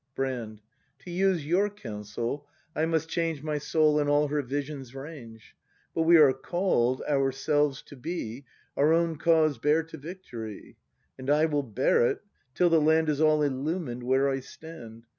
Brand. To use your counsel, I must change My soul and all her vision's range; But we are called, ourselves to be, Our own cause bear to victory; And I will bear it, till the land Is all illumined where I stand!